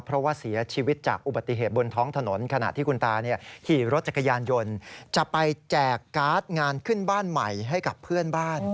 เพราะว่าเสียชีวิตจากอุบัติเหตุบนท้องถนนขณะที่คุณตาขี่รถจักรยานยนต์จะไปแจกการ์ดงานขึ้นบ้านใหม่ให้กับเพื่อนบ้าน